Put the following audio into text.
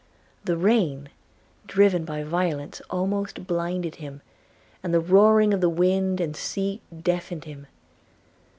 The rain, driven by violence, almost blinded him, and the roaring of the wind and sea deafened him.